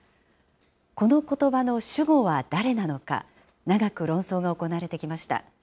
このことばの主語は誰なのか、長く論争が行われてきました。